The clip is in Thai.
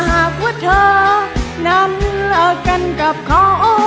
หากว่าเธอนั้นเลิกกันกับเขา